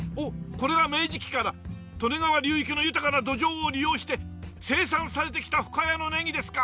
これが明治期から利根川流域の豊かな土壌を利用して生産されてきた深谷のネギですか！